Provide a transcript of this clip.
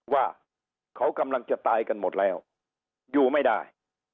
ว่าเขากำลังจะตายกันหมดแล้วอยู่ไม่ได้